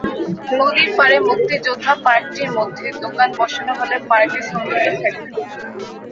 নদীর পাড়ে মুক্তিযোদ্ধা পার্কটির মধ্যে দোকান বসানো হলে পার্কের সৌন্দর্য থাকবে না।